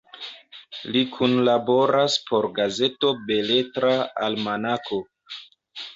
Li kunlaboras por gazeto Beletra Almanako.